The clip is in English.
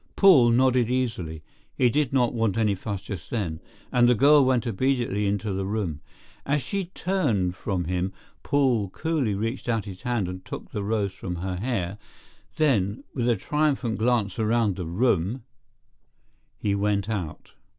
Paul nodded easily—he did not want any fuss just then—and the girl went obediently into the room. As she turned from him, Paul coolly reached out his hand and took the rose from her hair; then, with a triumphant glance around the room, he went out.